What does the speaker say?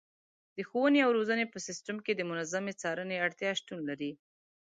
د ښوونې او روزنې په سیستم کې د منظمې څارنې اړتیا شتون لري.